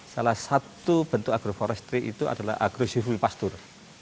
salah satu bentuk agroforestry itu adalah agro civil pasture